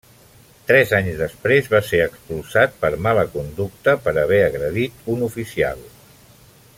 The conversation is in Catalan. Tres anys després va ser expulsat per mala conducta per haver agredit un oficial.